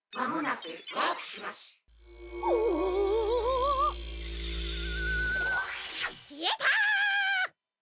きえた！